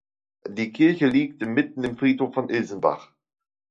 Die Kirche liegt mitten im Friedhof von Ilsenbach.